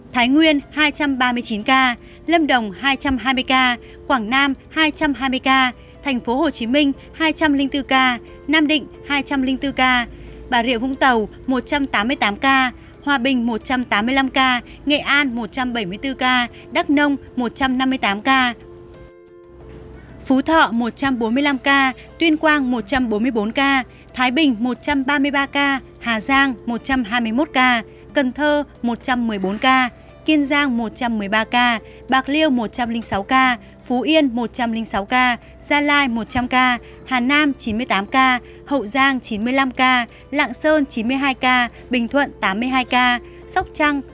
thái nguyên hai trăm ba mươi chín ca lâm đồng hai trăm hai mươi ca quảng nam hai trăm hai mươi ca tp hcm hai trăm linh bốn ca năm định hai trăm linh bốn ca bà rịa vũng tàu một trăm tám mươi tám ca hòa bình một trăm tám mươi năm ca nghệ an một trăm bảy mươi bốn ca đắc nông một trăm năm mươi tám ca phú thọ một trăm bốn mươi năm ca tuyên quang một trăm bốn mươi bốn ca thái bình một trăm ba mươi ba ca hà giang một trăm hai mươi một ca cần thơ một trăm ba mươi bốn ca đắk nông một trăm ba mươi bốn ca hà nội một trăm ba mươi bốn ca